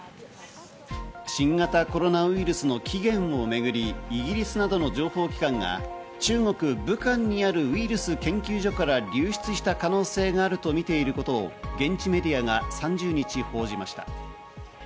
新型コロナウイルスの起源をめぐり、イギリスなどの情報機関が中国・武漢にあるウイルス研究所から流出した可能性があるとみていることを現地メディアが３０日、報じました。